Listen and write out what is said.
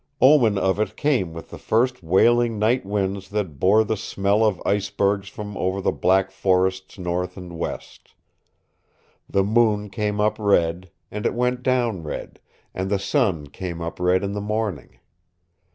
Omen of it came with the first wailing night winds that bore the smell of icebergs from over the black forests north and west. The moon came up red, and it went down red, and the sun came up red in the morning.